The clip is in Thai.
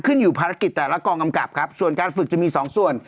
อยู่ภารกิจแต่ละกองกำกับครับส่วนการฝึกจะมีสองส่วน